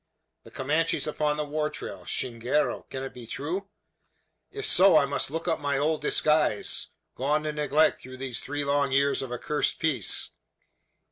"The Comanches upon the war trail! Chingaro! can it be true? If so, I must look up my old disguise gone to neglect through these three long years of accursed peace.